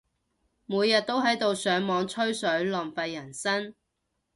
每日都喺度上網吹水，浪費人生